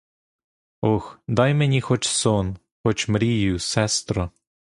Ох, дай мені хоч сон, хоч мрію, сестро!